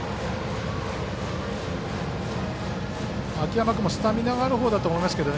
秋山君もスタミナがあるほうだと思いますけどね。